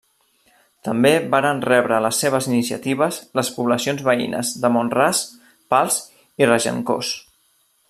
També varen rebre les seves iniciatives les poblacions veïnes de Mont-ras, Pals i Regencós.